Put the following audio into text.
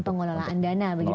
pengelolaan dana begitu ya